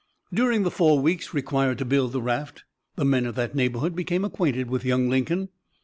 During the four weeks required to build the raft, the men of that neighborhood became acquainted with young Lincoln.